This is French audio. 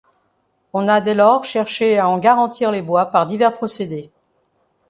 On a dès lors cherché à en garantir les bois par divers procédés.